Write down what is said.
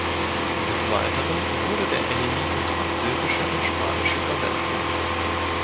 Des Weiteren wurde der Anime ins Französische und Spanische übersetzt.